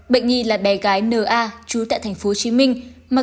bệnh nhi là bé gái n a trú tại tp hcm